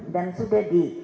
dan sudah di